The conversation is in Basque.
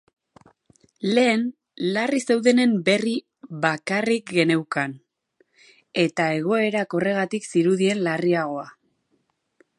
Lehen, larri zeudenen berri bakarrik geneukan, eta egoerak horregatik zirudien larriagoa.